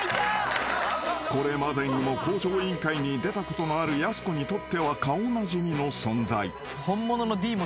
［これまでにも『向上委員会』に出たことのあるやす子にとっては顔なじみの存在］